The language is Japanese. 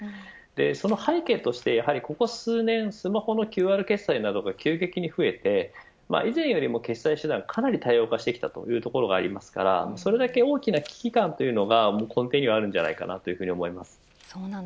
その背景としてここ数年スマホのＱＲ決済などが急激に増えて以前より決済手段がかなり多様化したということがありますからそれだけ大きな危機感が根底にあると思います。